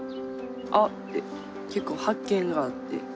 「あっ！」って結構発見があって。